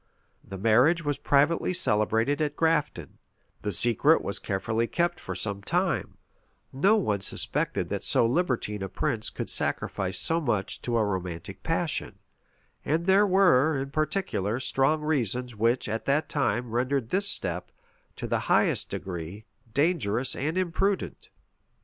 The marriage was privately celebrated at Grafton:[] the secret was carefully kept for some time: no one suspected that so libertine a prince could sacrifice so much to a romantic passion; and there were, in particular, strong reasons, which, at that time, rendered this step, to the highest degree, dangerous and imprudent.